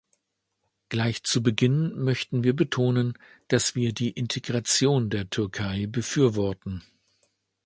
Gleich zu Beginn möchten wir betonen, dass wir die Integration der Türkei befürworten.